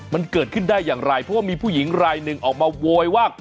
มันเกิดขึ้นได้อย่างไรเพราะว่ามีผู้หญิงรายหนึ่งออกมาโวยว่า